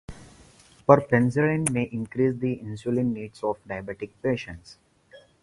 Perphenazine may increase the insulin needs of diabetic patients.